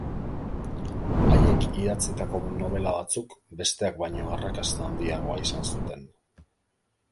Haiek idatzitako nobela batzuk besteak baino arrakasta handiagoa izan zuten.